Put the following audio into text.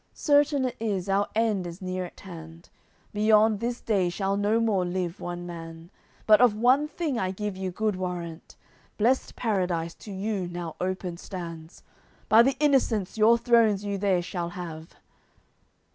Certain it is, our end is near at hand, Beyond this day shall no more live one man; But of one thing I give you good warrant: Blest Paradise to you now open stands, By the Innocents your thrones you there shall have."